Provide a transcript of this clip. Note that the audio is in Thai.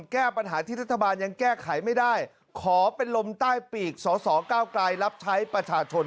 แก้ปัญหาที่รัฐบาลยังแก้ไขไม่ได้ขอเป็นลมใต้ปีกสอสอก้าวกลายรับใช้ประชาชน